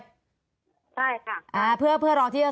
ตอนที่จะไปอยู่โรงเรียนนี้แปลว่าเรียนจบมไหนคะ